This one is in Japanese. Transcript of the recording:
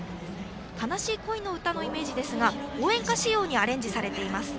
悲しい恋の歌のイメージですが応援歌仕様にアレンジされています。